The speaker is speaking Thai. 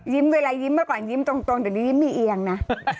ยิ้มเวลายิ้มเมื่อก่อนยิ้มตรงแต่นี่ยิ้มมีเอียงนะ